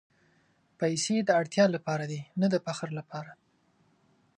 پېسې د اړتیا لپاره دي، نه د فخر لپاره.